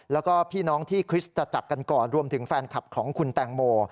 แล้วก็พี่น้องที่คริสตจักรกันก่อนรวมถึงแฟนคลับของคุณแตงโม